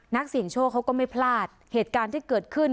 นักเสี่ยงโชคเขาก็ไม่พลาดเหตุการณ์ที่เกิดขึ้น